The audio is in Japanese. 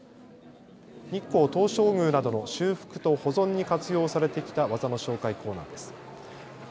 日光東照宮などの修復と保存に活用されてきた技の紹介コーナーです。